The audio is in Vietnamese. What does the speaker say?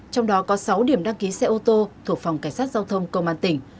trong đó có sáu điểm đăng ký xe ô tô thuộc phòng cảnh sát giao thông công an tỉnh